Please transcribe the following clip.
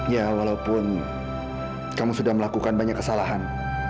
ya walaupun kamu sudah melakukan banyak kesalahan